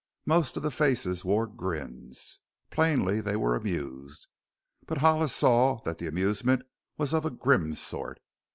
Most of the faces wore grins. Plainly they were amused, but Hollis saw that the amusement was of a grim sort.